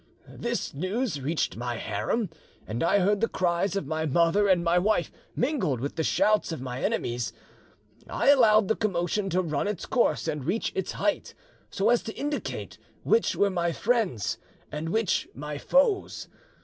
This news reached my harem, and I heard the cries of my mother and my wife mingled with the shouts of my enemies. I allowed the commotion to run its course and reach its height, so as to indicate which were my friends and which my foes.